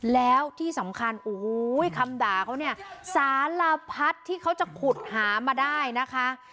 แล้วที่สำคัญโอ้โหคำด่าเขาเนี่ยสารพัดที่เขาจะขุดหามาได้นะคะ